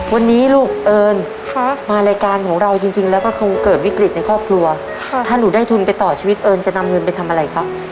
วันนี้ลูกเอิญมารายการของเราจริงแล้วก็คงเกิดวิกฤตในครอบครัวถ้าหนูได้ทุนไปต่อชีวิตเอิญจะนำเงินไปทำอะไรครับ